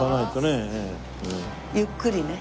ゆっくりね。